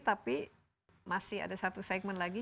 tapi masih ada satu segmen lagi